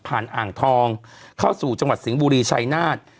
อ่างทองเข้าสู่จังหวัดสิงห์บุรีชัยนาฏ